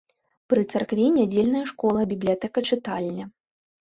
Пры царкве нядзельная школа, бібліятэка-чытальня.